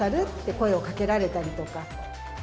声をかけられたりとか。